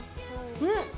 うん！